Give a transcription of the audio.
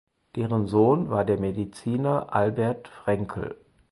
Deren Sohn war der Mediziner Albert Fraenkel.